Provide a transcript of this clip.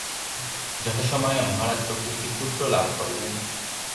যথাসময়ে মহারাজ রঘু একটি পুত্র লাভ করলেন।